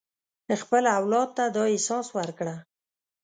خپل اولاد ته دا احساس ورکړه.